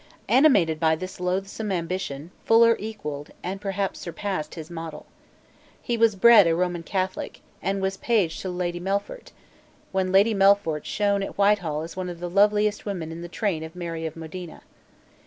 Animated by this loathsome ambition, Fuller equalled, and perhaps surpassed, his model. He was bred a Roman Catholic, and was page to Lady Melfort, when Lady Melfort shone at Whitehall as one of the loveliest women in the train of Mary of Modena.